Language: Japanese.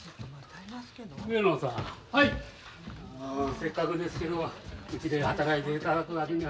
せっかくですけどうちで働いていただくわけには。